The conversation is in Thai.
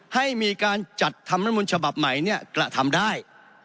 ให้มีการจัดทำรัฐมนต์ฉบับใหม่กระทำได้